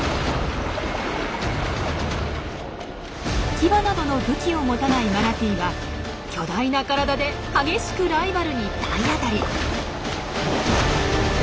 牙などの武器を持たないマナティーは巨大な体で激しくライバルに体当たり。